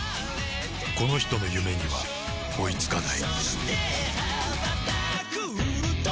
この人の夢には追いつかない